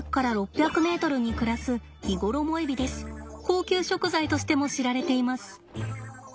高級食材としても知られています。